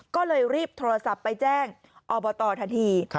ก็เลยรีบโทรศัพท์ไปแจ้งอบตทันที